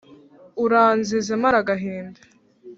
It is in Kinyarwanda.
uranzize maragahinda?